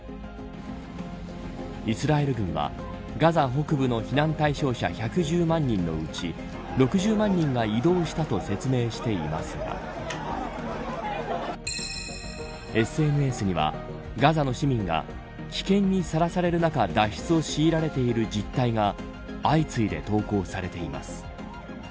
イスラエル軍はガザ北部の避難対象者１１０万人のうち６０万人が移動したと説明していますがＳＮＳにはガザの市民が危険にさらされる中脱出を強いられている事態が相次いで投稿されています。